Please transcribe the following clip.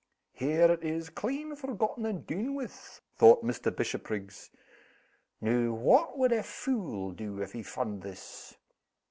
"Here it is, clean forgotten and dune with!" thought Mr. Bishopriggs. "Noo what would a fule do, if he fund this?